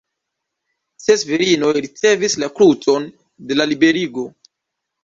Ses virinoj ricevis la krucon de la Liberigo.